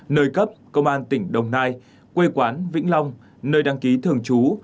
nơi cấp công an tỉnh đồng nai quê quán vĩnh long nơi đăng ký thường trú